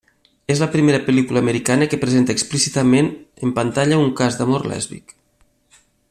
És la primera pel·lícula americana que presenta explícitament en pantalla un cas d'amor lèsbic.